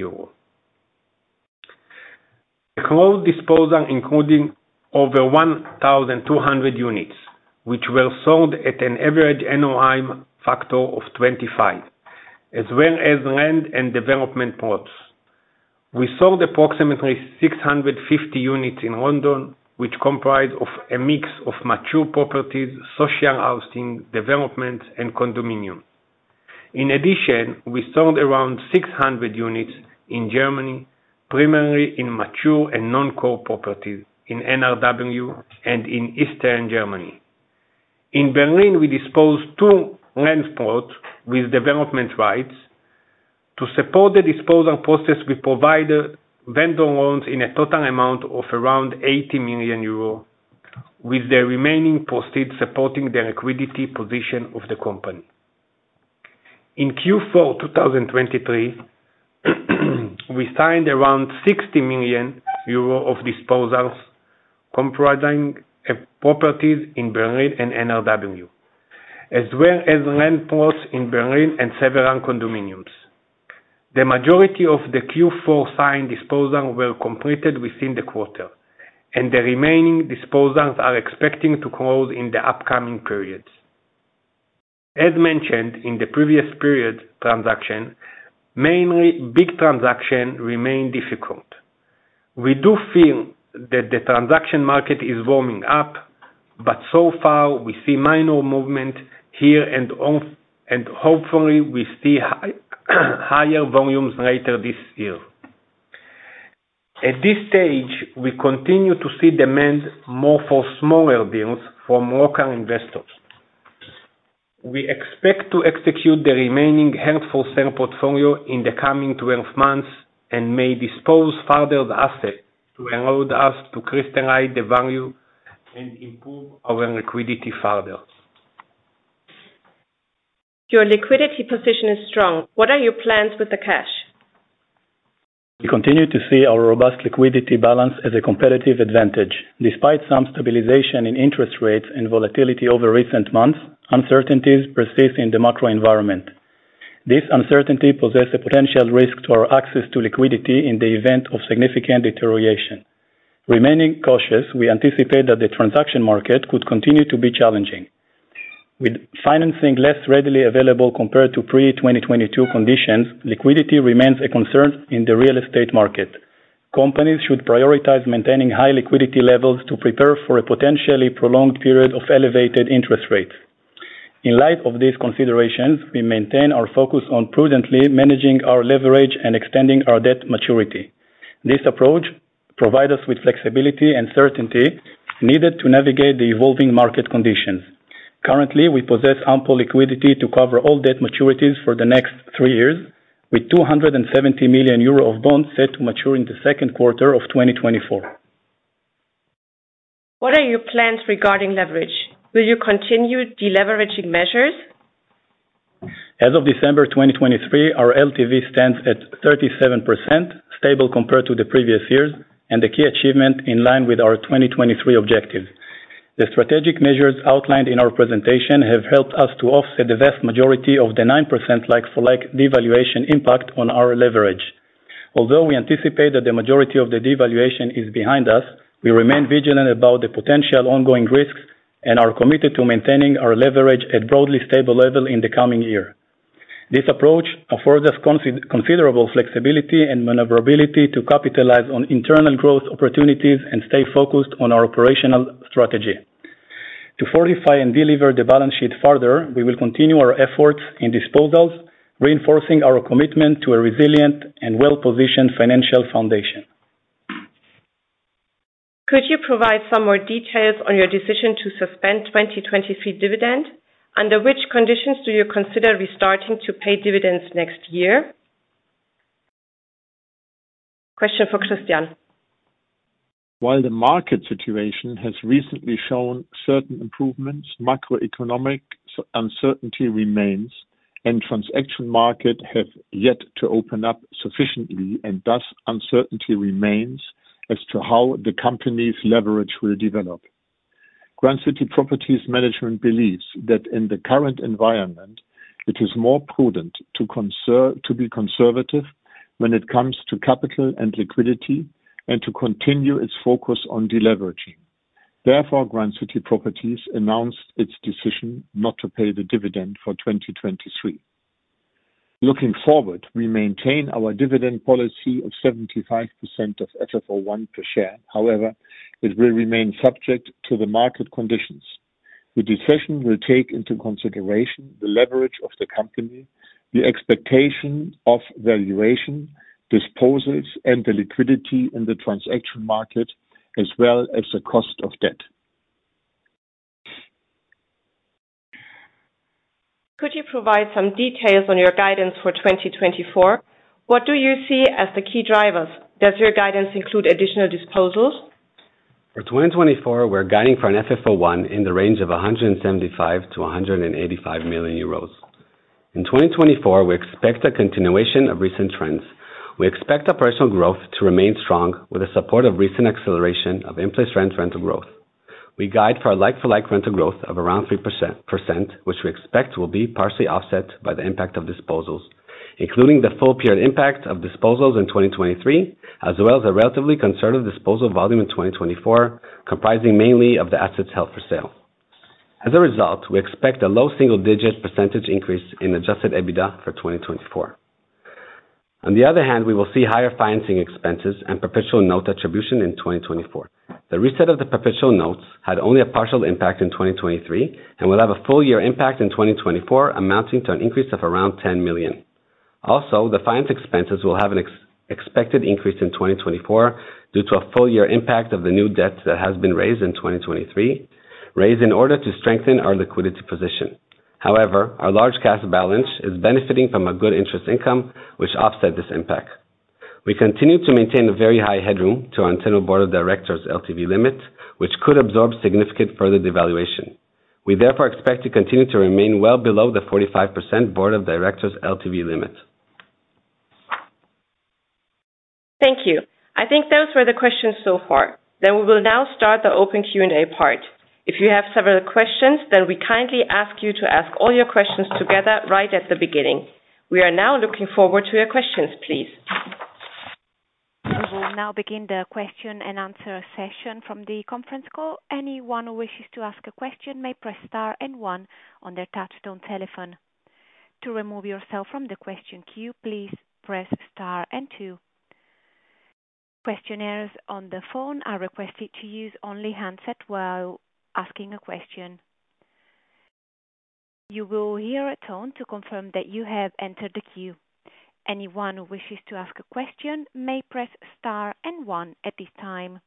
Closed disposal including over 1,200 units, which were sold at an average NOI factor of 25, as well as land and development plots. We sold approximately 650 units in London, which comprise of a mix of mature properties, social housing developments, and condominiums. In addition, we sold around 600 units in Germany, primarily in mature and non-core properties in NRW and in Eastern Germany. In Berlin, we disposed two land plots with development rights. To support the disposal process, we provided vendor loans in a total amount of around 80 million euro, with the remaining proceeds supporting the liquidity position of the company. In Q4 2023, we signed around 60 million euro of disposals comprising of properties in Berlin and NRW, as well as land plots in Berlin and several condominiums. The majority of the Q4 signed disposals were completed within the quarter, and the remaining disposals are expecting to close in the upcoming periods. As mentioned in the previous period transaction, mainly big transaction remain difficult. We do feel that the transaction market is warming up, but so far we see minor movement here, and hopefully we see higher volumes later this year. At this stage, we continue to see demand more for smaller deals from local investors. We expect to execute the remaining held for sale portfolio in the coming 12 months and may dispose further the asset to enable us to crystallize the value and improve our liquidity further. Your liquidity position is strong. What are your plans with the cash? We continue to see our robust liquidity balance as a competitive advantage. Despite some stabilization in interest rates and volatility over recent months, uncertainties persist in the macro environment. This uncertainty poses a potential risk to our access to liquidity in the event of significant deterioration. Remaining cautious, we anticipate that the transaction market could continue to be challenging. With financing less readily available compared to pre-2022 conditions, liquidity remains a concern in the real estate market. Companies should prioritize maintaining high liquidity levels to prepare for a potentially prolonged period of elevated interest rates. In light of these considerations, we maintain our focus on prudently managing our leverage and extending our debt maturity. This approach provides us with flexibility and certainty needed to navigate the evolving market conditions. Currently, we possess ample liquidity to cover all debt maturities for the next three years, with 270 million euro of bonds set to mature in the second quarter of 2024. What are your plans regarding leverage? Will you continue deleveraging measures? As of December 2023, our LTV stands at 37%, stable compared to the previous years, and a key achievement in line with our 2023 objective. The strategic measures outlined in our presentation have helped us to offset the vast majority of the 9% like-for-like devaluation impact on our leverage. Although we anticipate that the majority of the devaluation is behind us, we remain vigilant about the potential ongoing risks and are committed to maintaining our leverage at broadly stable level in the coming year. This approach affords us considerable flexibility and maneuverability to capitalize on internal growth opportunities and stay focused on our operational strategy. To fortify and deliver the balance sheet further, we will continue our efforts in disposals, reinforcing our commitment to a resilient and well-positioned financial foundation. Could you provide some more details on your decision to suspend 2023 dividend? Under which conditions do you consider restarting to pay dividends next year? Question for Christian. While the market situation has recently shown certain improvements, macroeconomic uncertainty remains and transaction market have yet to open up sufficiently, thus uncertainty remains as to how the company's leverage will develop. Grand City Properties management believes that in the current environment, it is more prudent to be conservative when it comes to capital and liquidity and to continue its focus on deleveraging. Grand City Properties announced its decision not to pay the dividend for 2023. Looking forward, we maintain our dividend policy of 75% of FFO1 per share. It will remain subject to the market conditions. The decision will take into consideration the leverage of the company, the expectation of valuation, disposals, and the liquidity in the transaction market, as well as the cost of debt. Could you provide some details on your guidance for 2024? What do you see as the key drivers? Does your guidance include additional disposals? For 2024, we're guiding for an FFO1 in the range of 175 million-185 million euros. In 2024, we expect a continuation of recent trends. We expect operational growth to remain strong with the support of recent acceleration of in-place rent rental growth. We guide for a like-for-like rental growth of around 3%, which we expect will be partially offset by the impact of disposals, including the full period impact of disposals in 2023, as well as a relatively conservative disposal volume in 2024, comprising mainly of the assets held for sale. We expect a low single-digit percentage increase in adjusted EBITDA for 2024. We will see higher financing expenses and perpetual note attribution in 2024. The reset of the perpetual notes had only a partial impact in 2023 and will have a full year impact in 2024, amounting to an increase of around 10 million. The finance expenses will have an expected increase in 2024 due to a full year impact of the new debt that has been raised in 2023, raised in order to strengthen our liquidity position. Our large cash balance is benefiting from a good interest income which offset this impact. We continue to maintain a very high headroom to our internal board of directors LTV limit, which could absorb significant further devaluation. We expect to continue to remain well below the 45% board of directors LTV limit. Thank you. I think those were the questions so far. We will now start the open Q&A part. If you have several questions, we kindly ask you to ask all your questions together right at the beginning. We are now looking forward to your questions, please. We will now begin the question-and-answer session from the conference call. Anyone who wishes to ask a question may press star and one on their touchtone telephone. To remove yourself from the question queue, please press star and two. Questioners on the phone are requested to use only handset while asking a question. You will hear a tone to confirm that you have entered the queue. Anyone who wishes to ask a question may press star and one at this time.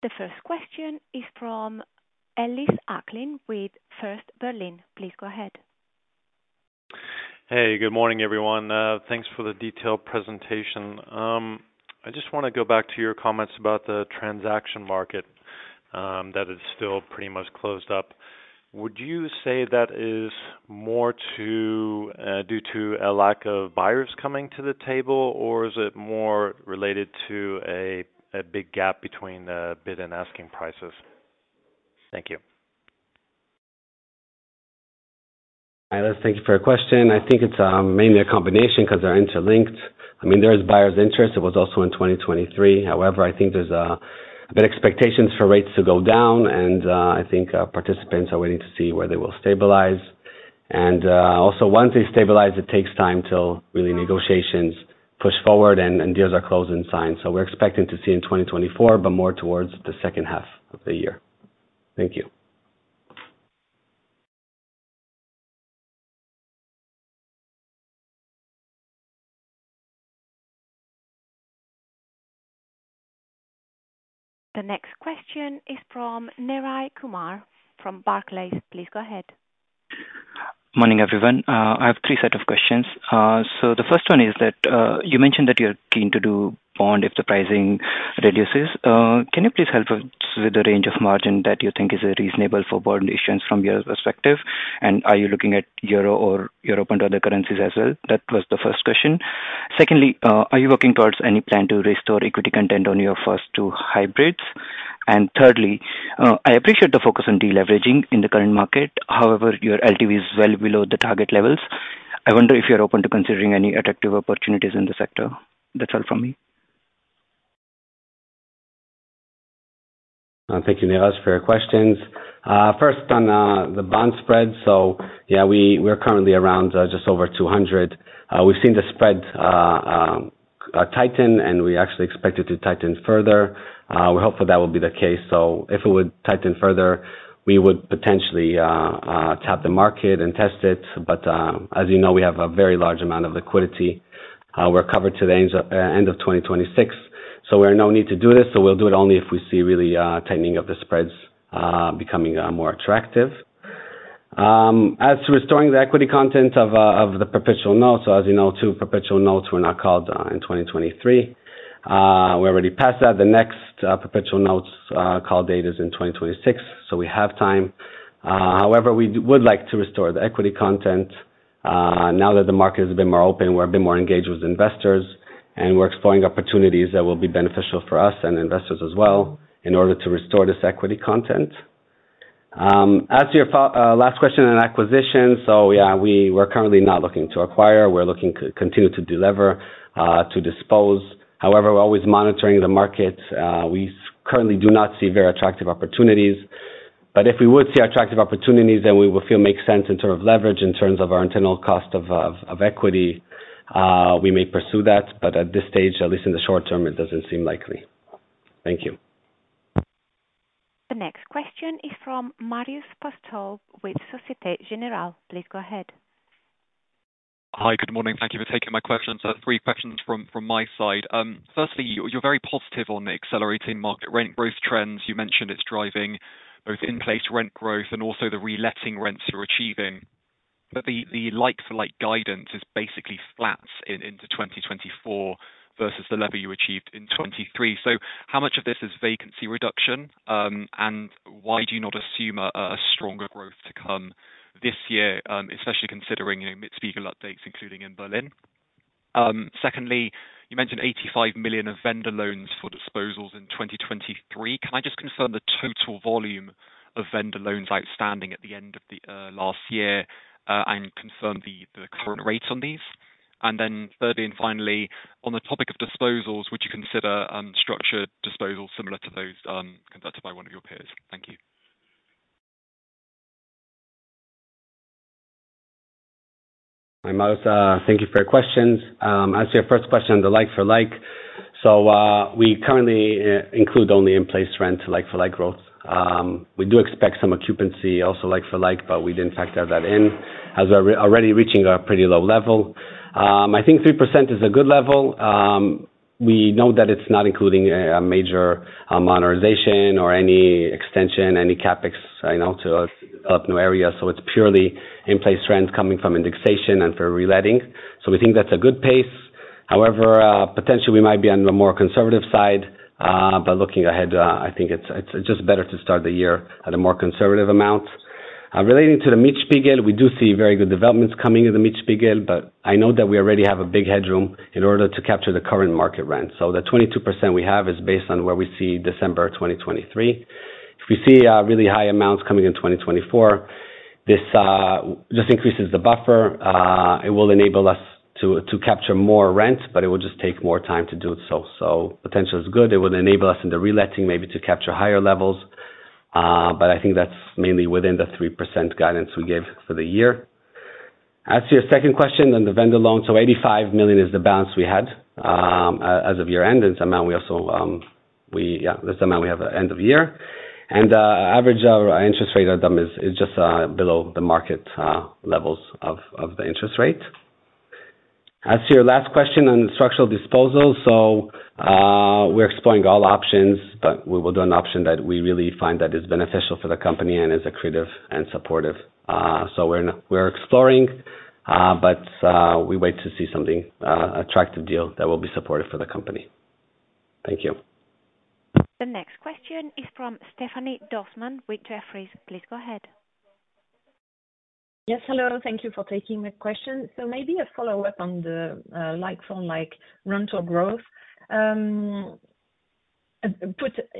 The first question is from Ellis Acklin with First Berlin. Please go ahead. Hey, good morning, everyone. Thanks for the detailed presentation. I just want to go back to your comments about the transaction market that is still pretty much closed up. Would you say that is more due to a lack of buyers coming to the table, or is it more related to a big gap between bid and asking prices? Thank you. Hi, thank you for your question. I think it's mainly a combination because they're interlinked. There is buyer's interest, it was also in 2023. However, I think there's been expectations for rates to go down, and I think participants are waiting to see where they will stabilize. Also, once they stabilize, it takes time till really negotiations push forward and deals are closed and signed. We're expecting to see in 2024, but more towards the second half of the year. Thank you. The next question is from Neeraj Kumar from Barclays. Please go ahead. Morning, everyone. I have three set of questions. The first one is that, you mentioned that you're keen to do bond if the pricing reduces. Can you please help us with the range of margin that you think is reasonable for bond issuance from your perspective? Are you looking at Euro or Europe and other currencies as well? That was the first question. Secondly, are you working towards any plan to restore equity content on your first two hybrids? Thirdly, I appreciate the focus on de-leveraging in the current market. However, your LTV is well below the target levels. I wonder if you're open to considering any attractive opportunities in the sector. That's all from me. Thank you, Neeraj, for your questions. First on the bond spread. Yeah, we're currently around just over 200. We've seen the spread tighten, and we actually expect it to tighten further. We hope that will be the case. If it would tighten further, we would potentially tap the market and test it. As you know, we have a very large amount of liquidity. We're covered to the end of 2026, we're in no need to do this. We'll do it only if we see really tightening of the spreads becoming more attractive. As to restoring the equity content of the perpetual notes, as you know, two perpetual notes were not called in 2023. We're already past that. The next perpetual notes call date is in 2026, we have time. However, we would like to restore the equity content. Now that the market is a bit more open, we're a bit more engaged with investors, and we're exploring opportunities that will be beneficial for us and investors as well in order to restore this equity content. As to your last question on acquisition. Yeah, we're currently not looking to acquire. We're looking to continue to de-lever, to dispose. However, we're always monitoring the market. We currently do not see very attractive opportunities, if we would see attractive opportunities that we would feel make sense in terms of leverage, in terms of our internal cost of equity, we may pursue that. At this stage, at least in the short term, it doesn't seem likely. Thank you. The next question is from Marios Pastou with Societe Generale. Please go ahead. Hi. Good morning. Thank you for taking my question. Three questions from my side. Firstly, you're very positive on the accelerating market rent growth trends. You mentioned it's driving both in-place rent growth and also the reletting rents you're achieving. But the like-for-like guidance is basically flat into 2024 versus the level you achieved in 2023. How much of this is vacancy reduction? Why do you not assume a stronger growth to come this year, especially considering your Mietspiegel updates, including in Berlin? Secondly, you mentioned 85 million of vendor loans for disposals in 2023. Can I just confirm the total volume of vendor loans outstanding at the end of last year, and confirm the current rates on these? Thirdly and finally, on the topic of disposals, would you consider structured disposals similar to those conducted by one of your peers? Thank you. Hi, Marios. Thank you for your questions. As to your first question on the like-for-like. We currently include only in-place rent like-for-like growth. We do expect some occupancy also like-for-like, but we didn't factor that in as we're already reaching a pretty low level. I think 3% is a good level. We know that it's not including a major modernization or any extension, any CapEx to us up new area. It's purely in-place rents coming from indexation and for reletting. We think that's a good pace. However, potentially we might be on the more conservative side. Looking ahead, I think it's just better to start the year at a more conservative amount. Relating to the Mietspiegel, we do see very good developments coming in the Mietspiegel, but I know that we already have a big headroom in order to capture the current market rent. The 22% we have is based on where we see December 2023. If we see really high amounts coming in 2024, this just increases the buffer. It will enable us to capture more rent, but it will just take more time to do it. Potential is good. It would enable us in the reletting maybe to capture higher levels. I think that's mainly within the 3% guidance we gave for the year. As to your second question on the vendor loan. 85 million is the balance we had as of year-end. That's the amount we have at end of year. Average interest rate on them is just below the market levels of the interest rate. As to your last question on structural disposal. We're exploring all options, but we will do an option that we really find that is beneficial for the company and is accretive and supportive. We're exploring, but we wait to see something, attractive deal that will be supportive for the company. Thank you. The next question is from Stephanie Dossmann with Jefferies. Please go ahead. Yes. Hello. Thank you for taking the question. Maybe a follow-up on the like-for-like rental growth. Put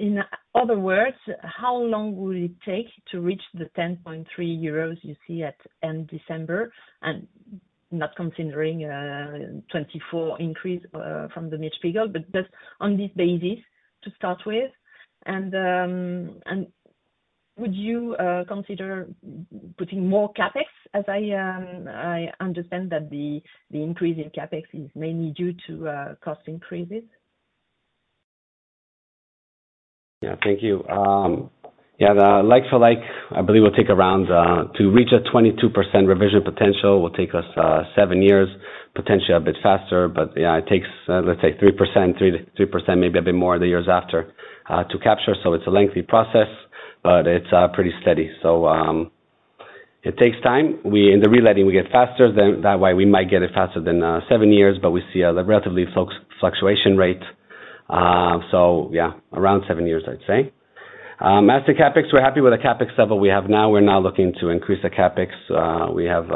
in other words, how long will it take to reach the 10.3 euros you see at end December? Not considering 2024 increase from the Mietspiegel, but just on this basis to start with. Would you consider putting more CapEx, as I understand that the increase in CapEx is mainly due to cost increases? Thank you. The like-for-like, I believe to reach a 22% revision potential will take us seven years, potentially a bit faster. It takes, let's say 3%, maybe a bit more the years after to capture. It's a lengthy process, but it's pretty steady. It takes time. In the reletting, we get faster. That way, we might get it faster than seven years, but we see a relatively fluctuation rate. Around seven years, I'd say. As to CapEx, we're happy with the CapEx level we have now. We're not looking to increase the CapEx. We have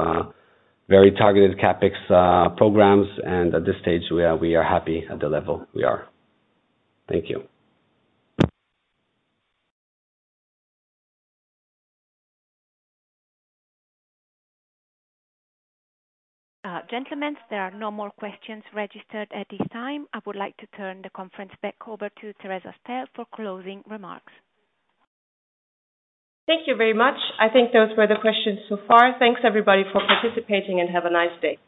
very targeted CapEx programs, and at this stage, we are happy at the level we are. Thank you. Gentlemen, there are no more questions registered at this time. I would like to turn the conference back over to [Theresa Stelle] for closing remarks. Thank you very much. I think those were the questions so far. Thanks everybody for participating and have a nice day.